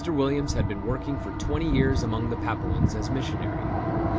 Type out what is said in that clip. Williams had been working for twenty years among the Papuans as missionary.